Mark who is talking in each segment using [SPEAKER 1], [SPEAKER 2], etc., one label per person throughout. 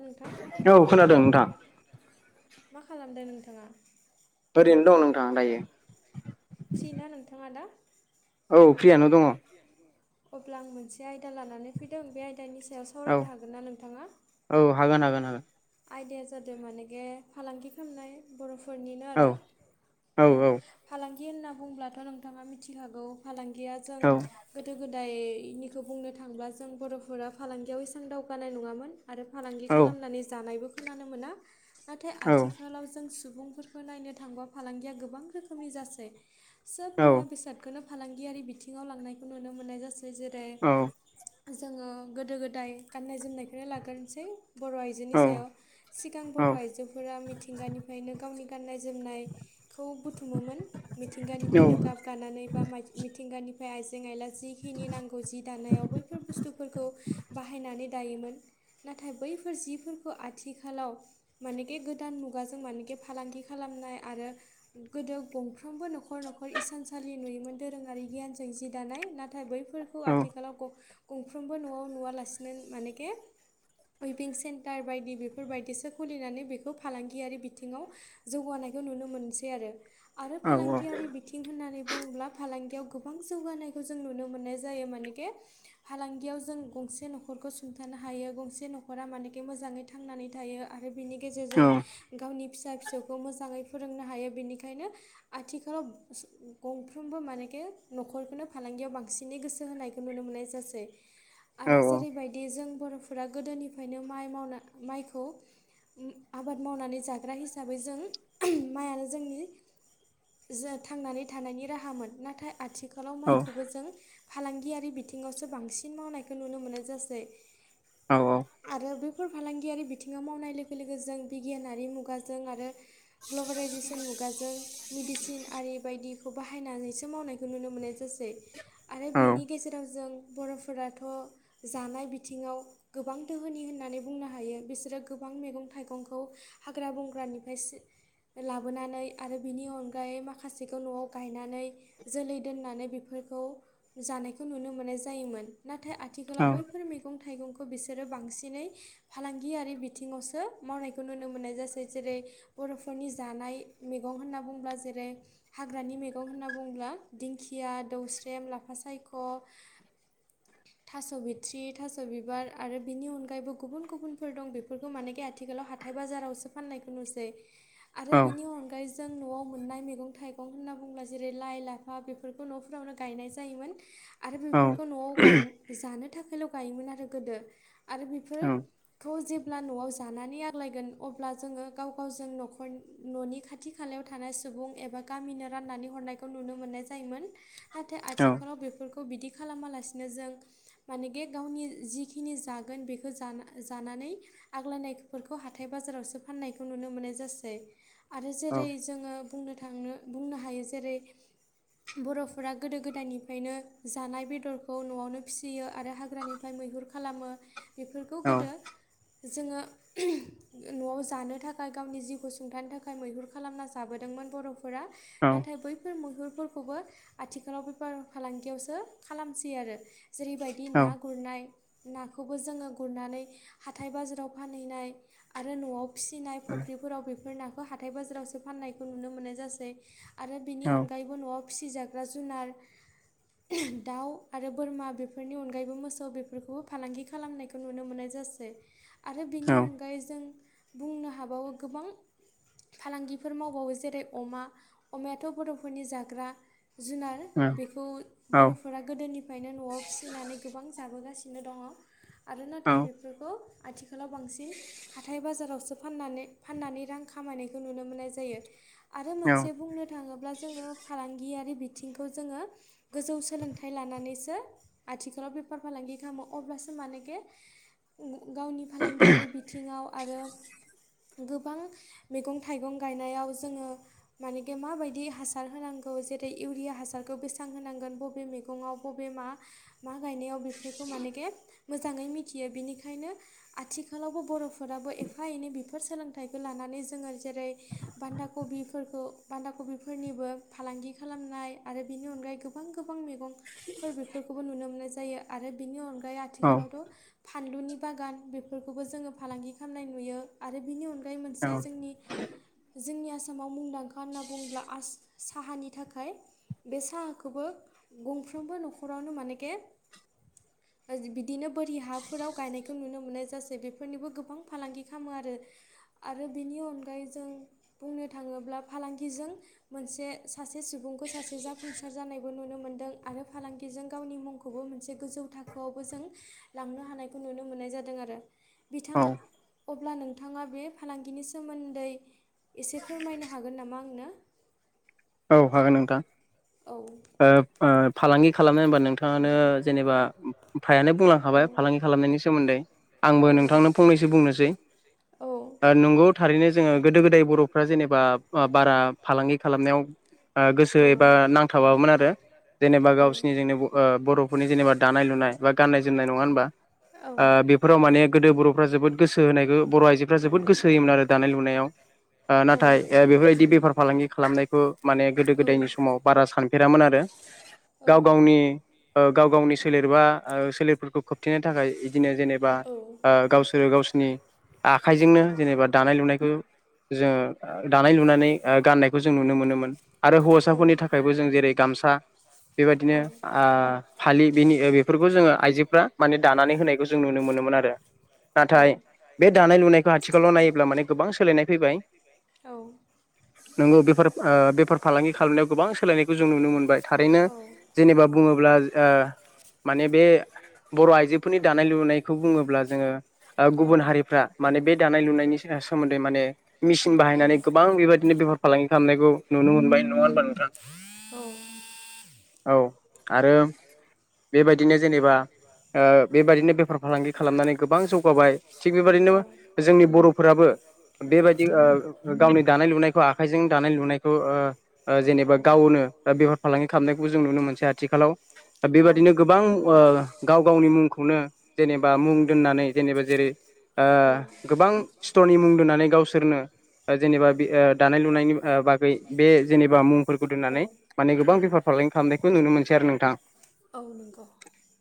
[SPEAKER 1] नोंथां
[SPEAKER 2] औ खोनादों नोंथां
[SPEAKER 1] मा खालामदो नोंथांङा?
[SPEAKER 2] ओरैनो दं नोंथां दायो।
[SPEAKER 1] फ्रि ना नोंथाङा दा
[SPEAKER 2] औ फ्रियानो दंङो।
[SPEAKER 1] अब्ला आं मोनसे आयदा लानानै फैदों बे आयदानि स-
[SPEAKER 2] औ औ हागोन हागोन हागोन।
[SPEAKER 1] आयदाया जादों मानेगे फालांगि खालामनाय बर' फोरनिनो
[SPEAKER 2] औ
[SPEAKER 1] आरो औ फालांगि होनना बुंब्लाथ' नोंथांङा मिथिखागौ फालांगिया जों
[SPEAKER 2] औ
[SPEAKER 1] गोदो गोदाय बेनिखौ बुंनो थांब्ला जों बर'फोरा फालांगियाव इसेबां दावगानाय नंङामोन। आरो फालांगि
[SPEAKER 2] औ
[SPEAKER 1] खालामनानै जानायबो खोनानो मोना नाथाय
[SPEAKER 2] औ
[SPEAKER 1] आथिखालाव जों सुबुंफोरखौ नायनो थांङबा फालांगिया गोबां रोखोमनि जासै सोब
[SPEAKER 2] औ
[SPEAKER 1] मुवा बेसादखौनो फालांगियारि बिथिङाव लांनायखौ नुनो मोन्नाय जासै जेरै जोंङो गोदो गोदाय गाननाय जोमनाय बेखौनो लाग्रोनोसै बर' आइजोनि सायाव सिगां बर' आइजोफोरा मिथिंगानिफ्रायनो गावनि गाननाय जोमनायखौ बुथुमोमोन मिथिंगानिफ्रायनो गाब गानानै बा मिथिंगानि ओमफ्राय आइजें आइला जिखिनि नांगौ जि दानायाव बैफोर बुस्थुफोरखौ बाहायनानै दायोमोन। नाथाय बैफोर जिफोरखौ आथिखालाव मानेखे गोदान मुगाजों मानेखे फालांगि खालाम खानाय आरो गोदो गंफ्रामबो न'खर न'खर हिसानसालि नुयोमोन दोरोंङारि गियान जों जि दानाय नाथाय बैफोरखौ आथिखालाव गंफ्रोमबो न'आव नुवालासिनो मानेखे उइभिं सेन्टार बायदि बेफोरबायदिसो खुलिनानै बेखौ फालांगियारि बिथिंङाव जौगानाय खौ नुनो मोनसै आरो आरो फालांगियारि बिथिं होननानै बुंङोब्ला फालांगियाव गुबुन गोबां जौगानायखौ जों नुनो मोननाय जायो मानेखे फालांगियाव जों गंसे न'खरखौ सुंथानो हायो। थायो गंसे न'खरा माने मोजांङै थांनानै थायो आरो बिनि गेजेरजों गावनि फिसा फिसौखौ मोजांङै फोरोंनो हायो बेनिखायनो आथिखालाव गंफ्रोमबो मानेखे न'खरखौनो फालांगियाव बांसिनै गोसो होनायखौ नुनो मोननाय जासै आरो
[SPEAKER 2] औ
[SPEAKER 1] जेरैबायदि जों बर'फोरा गोदोनिफ्रायनो माइ मावना माइखौ आबाद मावनानै जाग्रा हिसाबै जों माइयानो जोंनि जों थांनानै थानायनि राहामोन नाथाय आथिखालाव
[SPEAKER 2] औ
[SPEAKER 1] माइखौबो जों फालांगियारि बिथिंङावसो बांसिन मावनायखौ नुनो मोनो जासै।
[SPEAKER 2] औ औ।
[SPEAKER 1] बेफ फालांगियारि बिथिंङाव मावनाय लोगो लोगो जों बिगियानारि मुगाजों आरो ग्लबेलाइजेसन मुगाजों मेडिसिन आरि बायदिखौ बाहायनानैसो मावनाय बेखौ नुनो मोननाय जासै आरो बिनि गेजेराव जों बर'फोराथ' जानाय बिथिङाव गोबां दोहोनि होननानै बुंनो हायो बिसोरो गोबां। आं मैगं थाइगंखौ हाग्रा बंग्रानिफ्राय सो। लाबोनानै आरो बिनि अनगायै माखासेखौ न'आव गायनानै। जोलै दोननानै बेफोरखौ जानायखौ नुनो मोननाय जायोमोन। नाथाय आथिखालाव बैफोर मैगं थाइगंखौ। खोब बिसोरो बांसिनै फालांगियारि बिथिङावसो मावनायखौ नुनो मोननाय जासै जेरै। बर'फोरनि जानाय मैगं होनना बुंब्ला जेरै हाग्रानि मैगं होनना बुङोब्ला। दिंखिया दौस्रेम लाफा सायख'। थास' बिथ्रि थास' बिबार आरो बिनि अनगायैबो गुबुन गुबुनफोर दं बेफोरखौ मानेखे आथिखालाव हाथाय हाइ बाजारावसो फाननायखौ नुसै। आरो बिनि अनगायै जों न'आव मोननाय मैगं थाइगं होनना बुङोब्ला जेरै लाइ लाफ फा बेफोरखौ न'फोरावनो गायनाय जायोमोन आरो बेफोरखौ न'आवा गाइन जानो थाख हेल' गायोमोन आरो गोदो आरो बेफोरखौ जे ब्ला न'आव जानानै आग्लायगोन अब्ला जोङो गाव गावजों न'खर न'नि खाथि खालायाव थानाय। [unintelligible] सुबुं एबा गामिनो राननानै हरनायखौ नुनो मोननाय जायोमोन नाथाय आथिखालाव बेफोरखौ खौ बिदि खालामालासिनो जों माने गे गावनि जिखिनि जागोन बेखौ जाना-जाना नै आग्लायनायफोरखौ हाथाय बाजारावसो फाननायखौ नुनो मोननाय जासै आरो जेरै जोङो बुंनो थांनो बुंनो हायो जेरै बर'फोरा गोदो गोदायनिफ्रायनो जानाय बेदरखौ न'आवनो फिसियो आरो हाग्रानिफ्राय मै मैहुर खालामो बेफोरखौ गोदो जोङो न'आव जानो थाखाय गावनि जिउखौ सुंथानो थाखाय मैहुर खालामना जाबोदों मोन बर'फोरा नाथाय बैफोर मैहुरफोर खौबो आथिखालाव बेफार फालांगियावसो खालामसै आरो जेरैबायदि ना गुरनाय नाखौबो जोङो गुरनानै हाथाय बाजाराव फानहैनाय आरो न'आव फिसिनाय फुख्रिफोराव बेफोर नाखौ हाथाय बाजारावसो फाननायखौ नुनो मोननाय जासै। आरो बेनि अनगायैबो न'आव फिसिजाग्रा जुनार [unintelligible] दाउ आरो बोरमा बेफोरनि अनगायैबो मोसौ बेफोरखौबो फालांगि खालामनायखौ नुनो मोननाय जायो। ओसै आरो बिनि अनगायै जों बुंनो हाबावो गोबां फालांगिफोर मावबावयो जेरै अमा अमायाथ' बर'फोरनि जाग्रा जुनार बेखौ बर'फोरा गोदोनिफ्रायनो न'आव फिसिनानै गोबां जाबोगासिनो दङ आरो नाथाय बेफोरखौ आथिखालाव बांसिन हाथाय बाजारावसो फाननानै-फाननानै रां खामायनायखौ नुनो मोननाय जायो। आरो मोनसे बुंनो थाङोब्ला जोङो फालांगि गियारि बिथिंखौ जोङो गोजौ सोलोंथाइ लानानैसो आथिखालाव बेफार फालांगि खालामो। अब्लासो मानेेखे गु गावनि फालांगियारि बिथिङाव आरो गोबां मैगं थाइगं गायनायाव जोङो मानेके माबायदि हासार होनांगौ औ जेरै इउरिया हासारखौ बेसेबां होनांगोन बबे मैगङाव बबे मा-मा गायनायाव बेफोरखौ मानेके मोजाङै मिथियो बिनिखायनो आथिखालावबो बर'फोराबो एफा एनै बेफोर सोलोंथाइखौ लानानै जोङो जेरै बान्दा कबिफोरखौ बान्दा कबिफोरनिबो फालांगि खालामनाय आरो बेनि अनगायै गोबां गोबां मैगंफोर बेफोरखौबो नुनो मोननाय जायो आरो बिनि अनगायै आथिखालावथ' फा फानलुनि बागान बेफोरखौबो जोङो फालांगि खालामनाय नुयो आरो बेनि अनगा मोनसे जोंनि, जोंनि आसामाव मुंदांखा होनना बुङोब्ला आस साहानि थाखाय बे साहाखौबो गंफ्रोमबो न'खरावनो मानेकि [unintelligible] ओज डि बिदिनो बोरि हाफोराव गायनायखौ नुनो मोननाय जासै बेफोरनिबो गोबां फालांगि खालामो आरो। आरो बेनि अनगायै जों बुंनो थाङोब्ला फालांगिजों मोनसे सासे सुबुंखौ सासे जाफुंसार जानायबो नुनो मोन्दों आरो फालांगिजों गावनि मुंखौबो मोनसे गोजौ थाखोआवबो जों लांनो हानायखौ नुनो मोननाय जादों आरो। बिथाङा अब्ला नों नोंथाङा बे फालांगिनि सोमोन्दै एसे फोरमायनो हागोन नामा आंनो।
[SPEAKER 2] औ हागोन नोंथां
[SPEAKER 1] औ
[SPEAKER 2] ओ ओ फालांगि खालामनो होनबा नोंथाङानो जेनेबा फायानो
[SPEAKER 1] औ
[SPEAKER 2] बुंलांखाबाय फालांगि खालामनायनि सोमोन्दै आंबो
[SPEAKER 1] औ
[SPEAKER 2] नोंथांनो फंनैसो बुंनोसै आरो नंगौ थारैनो जोङो गोदो गोदाय बर'फ्रा जेनेबा बारा फालांगि खालामनायाव गोसो
[SPEAKER 1] औ
[SPEAKER 2] एबा नांथाबाबोमोन आरो जेनेबा गावसिोरनि जोंनि बर' फोरनि जेनेबा दानाय लुनाय बा गाननाय जोमनाय नङा होनबा
[SPEAKER 1] औ
[SPEAKER 2] ओ बेफोराव माने गोदो बर'फ्रा जोबोद गोसो होनायखो बर' आइजोफ्रा जोबोद गोसो होयोमोन आरो दानाय लुनायाव ओ
[SPEAKER 1] औ
[SPEAKER 2] नाथाय
[SPEAKER 1] औ
[SPEAKER 2] ए बेफोरबायदि बेफार फालांगि खालामनायखौ माने गोदो
[SPEAKER 1] औ
[SPEAKER 2] गोदायनि समाव बारा सानफेरामोन आरो गाव गावनि ओ गाव गावनि सोलेरबा ओ सोलेरफोरखौ खोबथेनो थाखाय इदिनो जेनेबा ओ गावसोरो गावसो नि आखाइजोंनो जेनेबा दानाय लुनायखौ जोङो दानाय लुनानै गाननायखौ जों नुनो मोनोमोन आरो
[SPEAKER 1] औ
[SPEAKER 2] हौवासाफोरनि थाखायबो जों जेरै गामसा
[SPEAKER 1] औ
[SPEAKER 2] बेबायदिनो आ फालि बेनि ओ बेफोरखौ जोङो आइजोफ्रा माने दानानै होनायखौ जों नुनो मोन नोमोन आरो नाथाय बे दानाय लुनायखौ आथिखालाव नायोब्ला माने गोबां सोलायनाय फैबाय
[SPEAKER 1] औ
[SPEAKER 2] नंगौ बेफोर ओ बेफार फालांगि खालामनायाव गोबां सोलायनायखौ जों नुनो मोनबाय थारैनो जेनेबा बुङोब्लाज ओ माने बे बर' आइजोफोरनि दानाय लुनायखौ बुङोब्ला जोङो गुबुन हारिफ्रा माने बे दानाय लुनायनि से सोमोन्दै माने मेसिन बाहायनानै गोबां बेबायदिनो बेफार फालांगि खालामनायखौ नुनो मोनबाय नङा होनबा नोंथां औ आरो बेबायदिनो जेनेबा ओ बेबायदिनो बेफार फालांगि खालामनानै गोबां जौगाबाय थिग बेबायदिनो जोंनि बर'फोराबो बेबायदि ओ गावनि दानाय लुनायखौ आखाइजों दानाय लुनाय ओ जेनेबा गावनो ओ बेफार फालांगि खालामनायखौ जों नुनो मोनसै आथिखालाव ओ बेबादिनो गोबां ओ गाव गावनि मुंखौनो जेनेबा मुं दोननानै जेनेबा जेरै
[SPEAKER 1] औ
[SPEAKER 2] गोबां स्ट'रनि मुं दोनानै गावसोरनो ओ जेनेबा बि ओ दानाय लुनायनि ओ बाग बे जेनेबा मुंफोरखौ
[SPEAKER 1] औ
[SPEAKER 2] दोननानै माने गोबां बेफार फालांगि खालामनायखौ नुनो मोनसै आरो नोंथां
[SPEAKER 1] औ नंगौ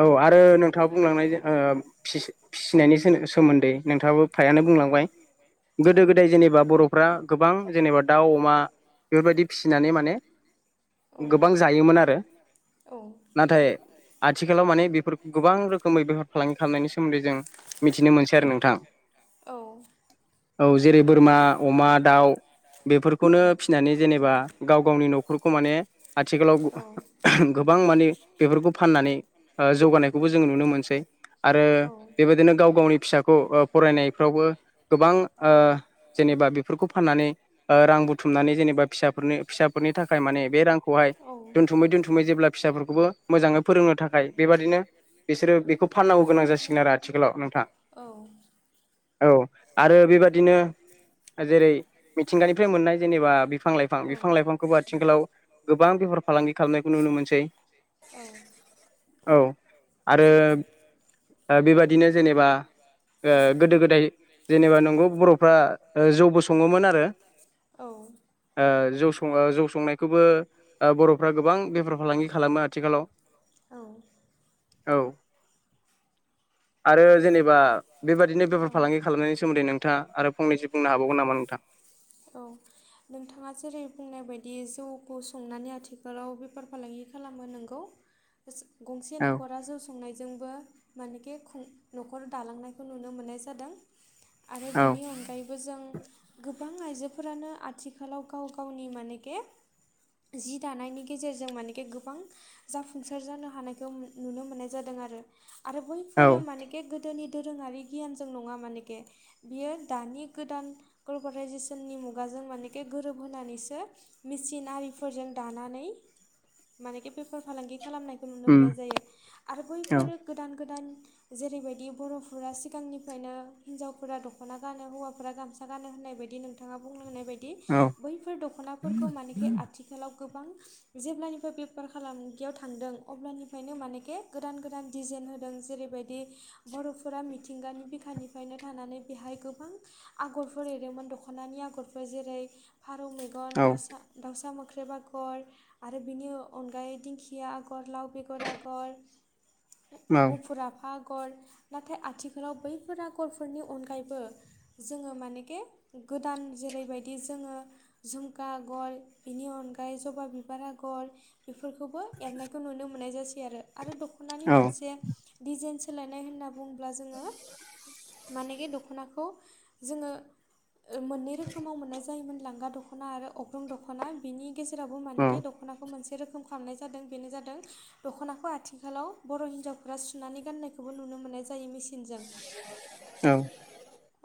[SPEAKER 2] औ आरो नोंथाङा बुंलांनाय ओ फिसि-फिसिनायनि सोमोन्दै नोंथाङाबो
[SPEAKER 1] औ
[SPEAKER 2] फ्रायानो बुंलांबाय
[SPEAKER 1] औ
[SPEAKER 2] गोदो गोदाय जेनेबा बर'फ्रा गोबां जेनेबा दाउ अमा बेबायदि फिसिनानै माने
[SPEAKER 1] औ
[SPEAKER 2] गोबां जायोमोन आरो
[SPEAKER 1] औ
[SPEAKER 2] नाथाय आथिखालाव माने बेफोरखौ गोबां रोखोमै बेफार फालांगि खालामनायनि सोमोन्दै जों मिथिनो मोनासै आरो नोंथां जेरै बोरमा अमा दाउ बेफोरखौनो नानै जेनेबा गाव गावनि न'खरखौ माने आथिखालाव [unintelligible] गोबां माने बेफोरखौ बेफोरखौ फाननानै ओ जौगानायखौबो जोङो नुनो मोनसै आरो
[SPEAKER 1] औ
[SPEAKER 2] बेबायदिनो गाव गावनि फिसाखौ ओ फरायनायफ्रावबो गोबां ओ जेनेबा बेफोरखौ फाननानै ओ रा थुमनानै जेनेबा फिसाफोरनो फिसाफोरनि थाखाय माने बे रांखौहाय दोनथुमै दोनथुमै जेब्ला फिसाफोरखौबो मोजाङै फोरोंनो थाखाय बेबादिनो बिसोरो बेखौ फाननांगौ गोनां जासिगोन आरो आथिखालाव नोंथां औ आरो बेबादिनो जेरै मिथिंगानिफ्राय मोननाय जेनेबा बिफां लाइफां बिफां लाइफांखौबो आथिंखालाव गोबां बेफार फालांगि खालामनायखौ नुनो मोनसै
[SPEAKER 1] औ
[SPEAKER 2] औ आरो ओ बेबायदिनो जेनेबा ओ गोदो गोदाय जेनेबा नंगौ बर'फ्रा ओ जौ बो सङोमोन आरो ओ जौ सङो जौ संनाय खोबो ओ बर'फ्रा गोबां बेफार फालांगि खालामो आथिखालाव
[SPEAKER 1] औ
[SPEAKER 2] औ आरो जेनेबा बेबादिनो
[SPEAKER 1] औ
[SPEAKER 2] बेफार फालांगि खालामनायनि सोमोन्दै नोंथाङा आरो फंनैसो बुंनो हाबावगोन नामा नोंथां
[SPEAKER 1] औ नोंथाङा जेरै बुंनाय बायदि जौखौ संनानै आथिखालाव बेफार फालांगि खालामो नों नोंगौ। गंसे
[SPEAKER 2] औ
[SPEAKER 1] न'खरा जौ संनायजोंबो मानेखि न'खर दालांनाय नुनो मोननाय जादों आरो
[SPEAKER 2] औ
[SPEAKER 1] बिनि अनायैबो जों गो गोबां आइजोफोरानो आथिखालाव गाव गावनि मानेके जि दानायनि गेजेरजों मानखि गोबां जाफुंसार जानो हानायखौ नुनो मोननाय जादों। आरो
[SPEAKER 2] औ
[SPEAKER 1] बैफोर मानेकि गोदोनि दोरोङारि गियान जों नङा मानेके बियो दानि गोदान ग्लबेलाइजेसननि मुगा मानेखे गोरोब होनानैसो मेसिन आरिफोरजों दानानै मानेखे बेफार फालांगि खालामनायखौ नुनो
[SPEAKER 2] उम
[SPEAKER 1] मोननाय जायो आरो
[SPEAKER 2] औ
[SPEAKER 1] बैफोरो गोदान गोदान जेरै बायदि बर' फोरा सिगांनिफ्रायनो हिन्जावफोरा दख'ना गानो हौवाफोरा गामसा गानो होननाय बायदि नोंथाङा बुंलांनाय बायदि
[SPEAKER 2] औ
[SPEAKER 1] बैफोर दख'नाफोरखौ मानेखे आथिखालाव गोबां जेब्लानि बेफार फालांगियाव थांदों अब्लानिफ्रायनो मानेके गोदान गोदान दिजाइन होदों जेरैबायदि बर' फोरा मिथिंगानि बिखानिफ्रायनो थानानै बेहाय गोबां आगरफोर एरोमोन दख'नानि आगरफोर। जेरै फारौ मेगन
[SPEAKER 2] औ
[SPEAKER 1] दावसा दाउसा मो ख्रेब आगर आरो बेनि अनगायै दिंखिया आगर लाव बेगर आगर।
[SPEAKER 2] औ
[SPEAKER 1] मुफुर आफा आगर। नाथाय आथिखालाव बैफोर आगरफोरनि अनगायैबो जोङो मानेखे गोदान जे जेरैबायदि जोङो झुमखा आगर बिनि अनगायै जबा बिबार आगर बेफो फोरखौबो एरनायखौ नुनो मोननाय जासै आरो आरो दख'नानि
[SPEAKER 2] औ
[SPEAKER 1] मोनसे डिजाइन सोलायनाय होनना अब्ला जोङो मानेेखे दख'नाखौ जोङो ओ मोननै रोखोमाव मोननाय जायोमोन लांगा दख'ना आरो अग्रं दख'ना बिनि गेजेरावबो
[SPEAKER 2] औ
[SPEAKER 1] मानिकि दख'नाखौ मोनसे रोखोम खालामनाय जादों बेनो जादों दख'नाखौ आथिखालाव बर' हिनजावफोरा सुनानै गाननायखौबो नुनो मोननाय जा सिनजों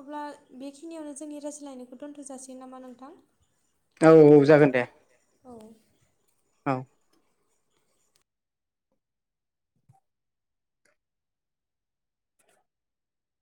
[SPEAKER 1] अब्ला बेखिनियावनो जोंनि रायज्लायनायखौ दोनथ' जासिगोन नामा नोंथां?
[SPEAKER 2] औ औ जागोन दे।
[SPEAKER 1] औ।
[SPEAKER 2] औ।